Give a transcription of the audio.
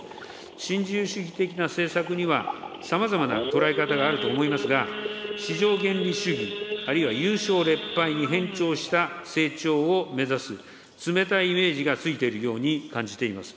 新自由主義的な政策には、さまざまな捉え方があると思いますが、市場原理主義、あるいは優勝劣敗に偏重した成長を目指す、冷たいイメージが付いているように感じています。